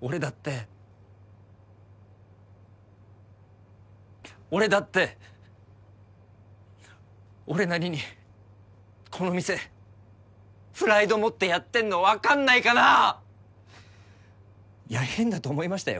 俺だって俺だって俺なりにこの店プライド持ってやってんの分かんないかなあいや変だと思いましたよ